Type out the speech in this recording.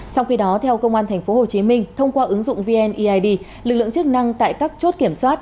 trong khi đó theo công an tp hcm thông qua ứng dụng vneid lực lượng chức năng tại các chốt kiểm soát